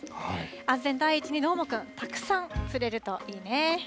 安全第一にどーもくんたくさん釣れるといいね。